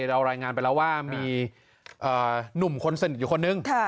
เรารายงานไปแล้วว่ามีหนุ่มคนสนิทอยู่คนนึง